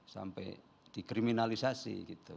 sampai dikriminalisasi gitu